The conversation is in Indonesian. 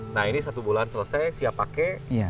nah ini satu bulan selesai siap pakai